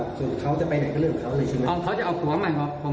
คือเขาจะไปไหนก็เลิกกับเขาเลยใช่ไหมอ๋อเขาจะเอาผัวใหม่